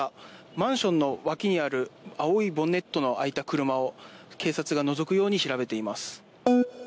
マンションの脇にある青い、ボンネットの開いた車を警察がのぞくように調べています。